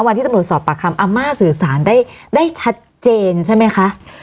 วันที่ตำรวจสอบปากคำอาม่าสื่อสารได้ได้ชัดเจนใช่ไหมคะ